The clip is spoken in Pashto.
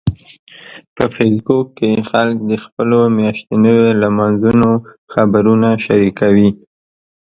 په فېسبوک کې خلک د خپلو میاشتنيو لمانځنو خبرونه شریکوي